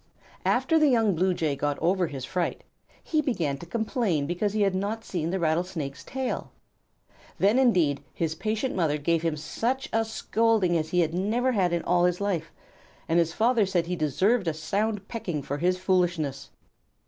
After the young Blue Jay got over his fright, he began to complain because he had not seen the Rattlesnake's tail. Then, indeed, his patient mother gave him such a scolding as he had never had in all his life, and his father said that he deserved a sound pecking for his foolishness.